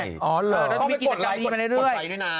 ต้องไปกดไลฟ์ไปด้วย